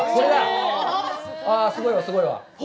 すごいわ、すごいわ。